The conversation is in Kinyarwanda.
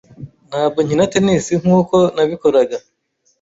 Ntabwo nkina tennis nkuko nabikoraga.